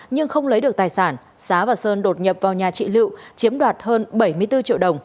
nhưng không lấy được tài sản xá và sơn đột nhập vào nhà chị lựu chiếm đoạt hơn bảy mươi bốn triệu đồng